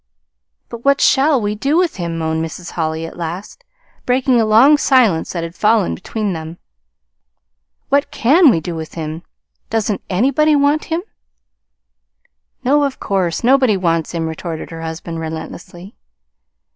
"But what shall we do with him?" moaned Mrs. Holly at last, breaking a long silence that had fallen between them. "What can we do with him? Doesn't anybody want him?" "No, of course, nobody wants him," retorted her husband relentlessly.